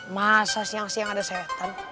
masa siang siang ada setan